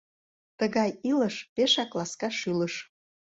Тыгай илыш — пешак ласка шӱлыш.